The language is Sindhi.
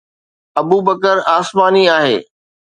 ابوبڪر آسماني آهي